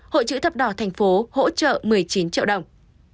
hội chữ thập đỏ thành phố hỗ trợ một mươi chín triệu đồng